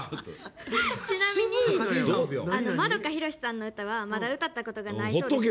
ちなみに、円広志さんの歌はまだ歌ったことがないそうです。